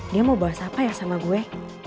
dia mau bahas apa ya sama gue